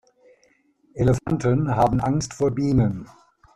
Elefanten haben Angst vor Bienen.